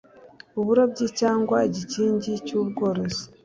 uburobyi cyangwa igikingi cy ubworozi